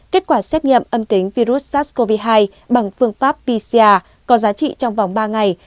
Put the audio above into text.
kết quả xét nghiệm âm tính virus sars cov hai bằng phương pháp pcr có giá trị trong vòng ba ngày